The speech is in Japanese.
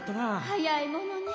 早いものね。